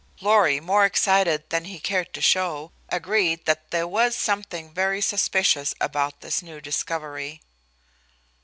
Lorry, more excited than he cared to show, agreed that there was something very suspicious about this new discovery.